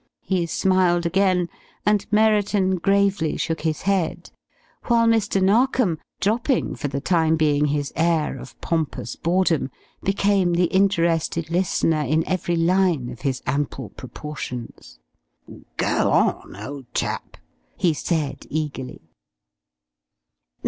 He smiled again, and Merriton gravely shook his head, while Mr. Narkom, dropping for the time being his air of pompous boredom, became the interested listener in every line of his ample proportions. "Go on, old chap," he said eagerly.